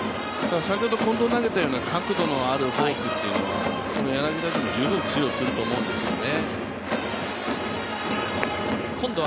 先ほど近藤に投げたような角度のあるフォークというのは柳田にも十分通用すると思うんですよね。